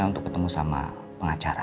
untuk ketemu sama pengacara